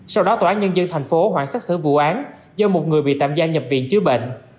sau đó tòa án nhân dân tp hcm hoạn xét xử vụ án do một người bị tạm gia nhập viện chứa bệnh